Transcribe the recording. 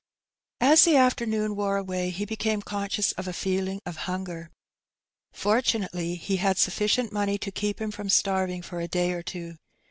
'' As the afternoon wore away he became conscious of a feeling of hunger. Fortunately, he had sufficient money to keep him from starving for a day or two.